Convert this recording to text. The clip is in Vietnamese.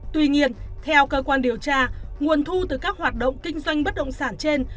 tuy nhiên theo cơ quan điều tra nguồn thu từ các hoạt động kinh doanh bất động sản trên